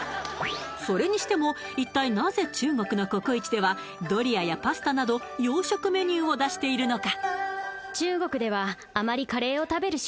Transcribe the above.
それにしても一体なぜ中国のココイチではドリアやパスタなど洋食メニューを出しているのか？